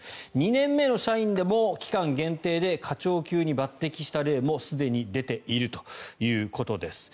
２年目の社員でも期間限定で課長級に抜てきした例もすでに出ているということです。